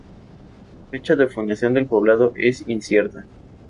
La fecha de fundación del poblado es incierta.